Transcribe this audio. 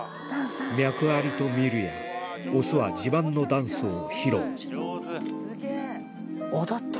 脈ありとみるやオスは自慢のダンスを披露上手！